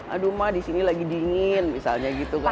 aduh mah disini lagi dingin misalnya gitu kan